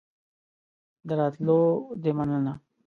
د راتلو دي مننه